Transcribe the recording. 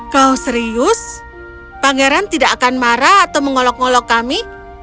kalau serius pangeran tidak akan marah atau mengolok ngolok kami